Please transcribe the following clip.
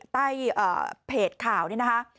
เพจข่าวนี่นะคะ